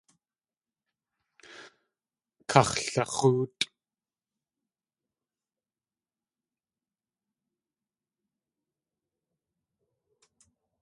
Kax̲lax̲óotʼ!